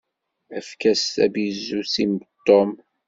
Efk-as tabizut i Tom!